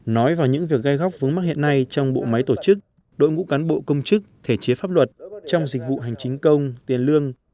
nói vào những việc gai góc vướng mắc hiện nay trong bộ máy tổ chức đội ngũ cán bộ công chức thể chế pháp luật trong dịch vụ hành chính công tiền lương